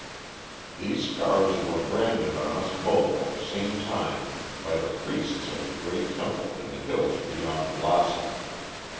"These scars were branded on us both at the same time by the priests of the great temple in the hills beyond Lassa.